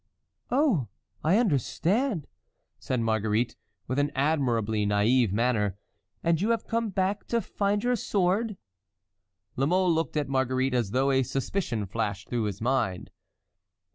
"Oh! I understand," said Marguerite, with an admirably naïve manner, "and you have come back to find your sword?" La Mole looked at Marguerite as though a suspicion flashed through his mind.